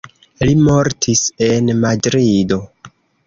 Li mortis en Madrido.